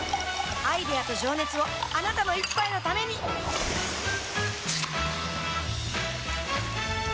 アイデアと情熱をあなたの一杯のためにプシュッ！